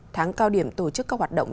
tháng cao điểm tổ chức các hoạt động